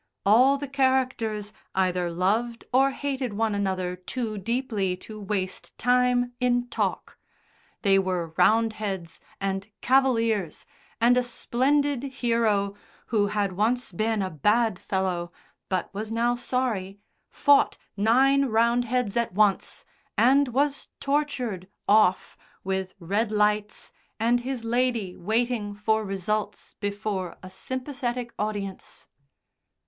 All the characters either loved or hated one another too deeply to waste time in talk. They were Roundheads and Cavaliers, and a splendid hero, who had once been a bad fellow, but was now sorry, fought nine Roundheads at once, and was tortured "off" with red lights and his lady waiting for results before a sympathetic audience.